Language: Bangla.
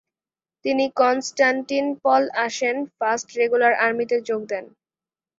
তিনি কন্সটান্টিনপল আসেন ফার্স্ট রেগুলার আর্মিতে যোগ দেন।